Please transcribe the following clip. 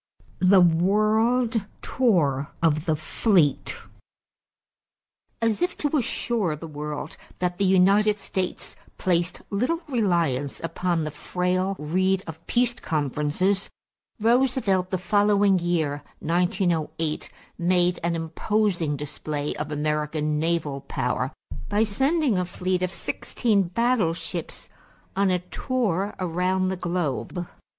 =The World Tour of the Fleet.= As if to assure the world then that the United States placed little reliance upon the frail reed of peace conferences, Roosevelt the following year (1908) made an imposing display of American naval power by sending a fleet of sixteen battleships on a tour around the globe.